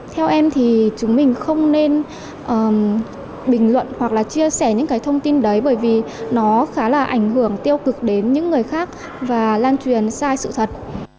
theo em thì chúng mình không nên bình luận hoặc là chia sẻ những cái thông tin đấy bởi vì nó khá là ảnh hưởng tiêu cực đến những người khác và lan truyền sai sự thật